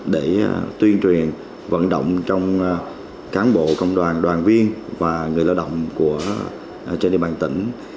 để tuyên truyền vận động trong cán bộ công đoàn đoàn viên và người lao động trên địa bàn tỉnh